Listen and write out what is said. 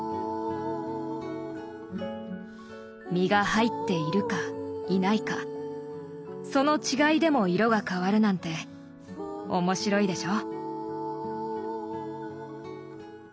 実が入っているかいないかその違いでも色が変わるなんて面白いでしょ。